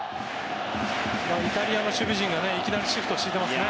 イタリアの守備陣がいきなりシフトを敷いていますね。